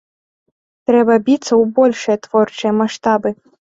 Трэба біцца ў большыя творчыя маштабы.